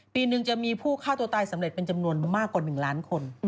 ปีหนึ่งจะมีผู้ฆ่าตัวตายสำเร็จเป็นจำนวนมากกว่า๑ล้านคน